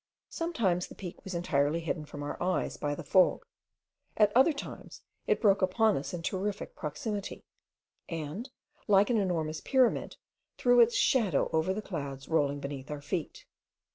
Sometimes the peak was entirely hidden from our eyes by the fog, at other times it broke upon us in terrific proximity; and, like an enormous pyramid, threw its shadow over the clouds rolling beneath our feet.